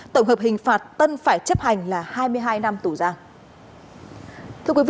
tổng hợp hình phạt tân phải chấp hành là hai mươi hai năm tù giam